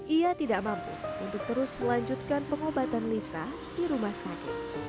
ia tidak mampu untuk terus melanjutkan pengobatan lisa di rumah sakit